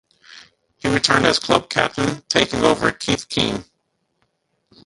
He returned as club captain, taking over from Keith Keane.